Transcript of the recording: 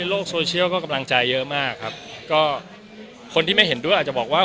โลกโซเชียลก็กำลังใจเยอะมากครับก็คนที่ไม่เห็นด้วยอาจจะบอกว่า